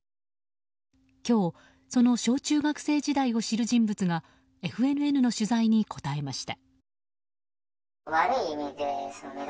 今日、その小中学生時代を知る人物がＦＮＮの取材に答えました。